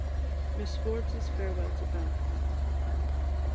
MISS FORBES' FAREWELL TO BANFF.